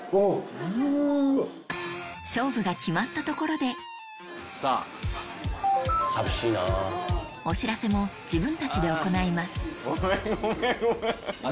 勝負が決まったところでお知らせも自分たちで行います